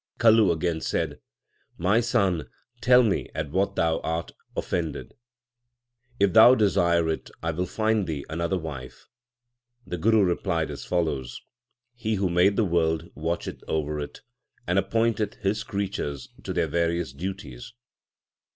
1 Kalu again said : My son, tell me at what thou art offended. If thou desire it, I will find thee another wife. The Guru replied as follows : He who made the world watcheth over it, and appointeth His creatures to their various duties.